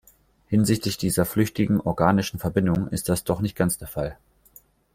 Hinsichtlich dieser flüchtigen organischen Verbindungen ist das doch nicht ganz der Fall.